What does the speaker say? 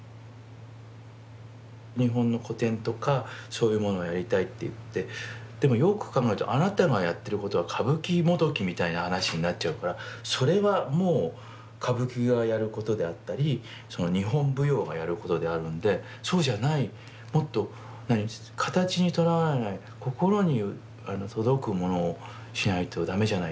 日本の古典とかそういうものをやりたいって言ってでもよく考えるとあなたがやってることは歌舞伎もどきみたいな話になっちゃうからそれはもう歌舞伎がやることであったり日本舞踊がやることであるんでそうじゃないもっと形にとらわれない心に届くものをしないとダメじゃない。